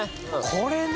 これね！